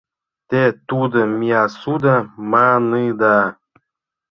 Те тудым Миасуда маныда.